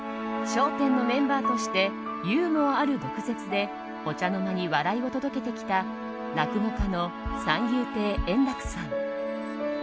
「笑点」のメンバーとしてユーモアある毒舌でお茶の間に笑いを届けてきた落語家の三遊亭円楽さん。